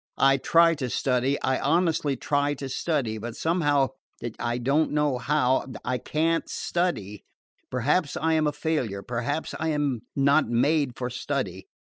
"I try to study I honestly try to study; but somehow I don't know how I can't study. Perhaps I am a failure. Perhaps I am not made for study.